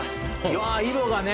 わ色がね。